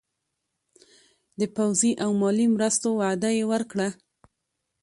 د پوځي او مالي مرستو وعده یې ورکړه.